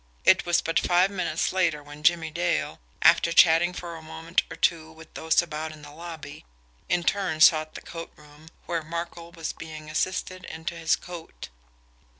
It was but five minutes later when Jimmie Dale, after chatting for a moment or two with those about in the lobby, in turn sought the coat room, where Markel was being assisted into his coat.